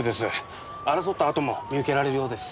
争った跡も見受けられるようです。